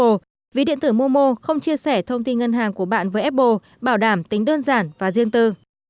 việc có thêm ví điện tử momo không chia sẻ thông tin ngân hàng của bạn với apple bảo đảm tính đơn giản và riêng tư